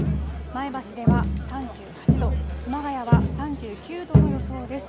前橋では３８度、熊谷は３９度の予想です。